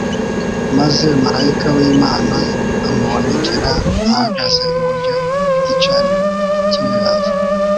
Maze malayika w'Imana amubonekera "ahagaze iburyo bw'igicaniro cy'imibavu."